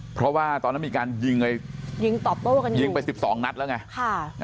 เพราะว่าตอนนั้นมีการยิงไปยิงไปสิบสองนัดแล้วไงค่ะ